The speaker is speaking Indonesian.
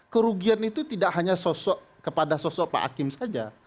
kerugian itu tidak hanya kepada sosok pak hakim saja